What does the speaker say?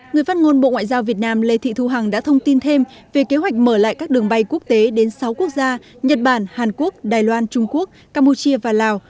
người phát ngôn bộ ngoại giao việt nam lê thị thu hằng đã thông tin thêm về kế hoạch mở lại các đường bay quốc tế đến sáu quốc gia nhật bản hàn quốc đài loan trung quốc campuchia và lào